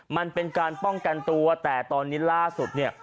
มันเป็นการป้องกันตัวแต่ตอนนี้ล่าสุดเนี่ย